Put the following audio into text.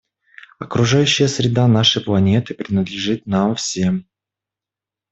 Окружающая среда нашей планеты принадлежит нам всем.